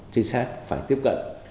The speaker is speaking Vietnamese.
trinh sát phải tiếp cận